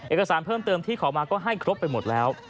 เอกสารเพิ่มเติมที่ขอมาก็ให้ครบไปหมดแล้ว